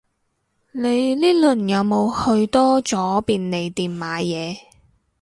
你呢輪有冇去多咗便利店買嘢